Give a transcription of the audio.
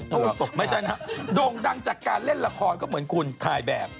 ตะวันตกไม่ใช่นะฮะโด่งดังจากการเล่นละครก็เหมือนคุณถ่ายแบบ